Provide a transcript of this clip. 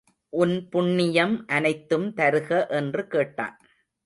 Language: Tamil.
உன் புண்ணியம் அனைத்தும் தருக என்று கேட்டான்.